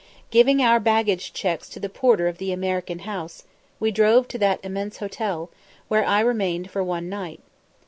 Giving our baggage checks to the porter of the American House, we drove to that immense hotel, where I remained for one night.